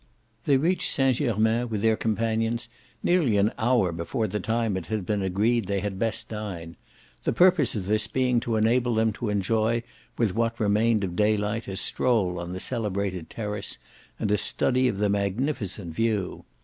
They reached Saint Germain with their companions nearly an hour before the time it had been agreed they had best dine; the purpose of this being to enable them to enjoy with what remained of daylight a stroll on the celebrated terrace and a study of the magnificent view.